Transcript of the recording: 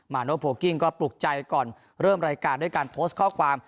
โนโพลกิ้งก็ปลุกใจก่อนเริ่มรายการด้วยการโพสต์ข้อความ